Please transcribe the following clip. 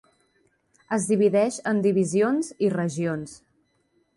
Es divideix en divisions i regions.